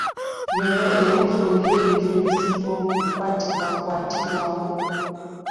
Yoza era ofuuyire ebifo ebisinga okukwatibwakwatibwako.